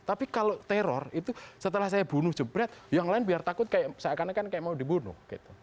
tapi kalau teror itu setelah saya bunuh jebret yang lain biar takut kayak seakan akan kayak mau dibunuh gitu